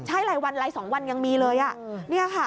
ใช่รายวันราย๒วันยังมีเลย